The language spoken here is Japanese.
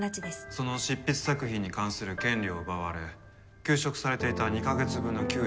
その執筆作品に関する権利を奪われ休職されていた２カ月分の給与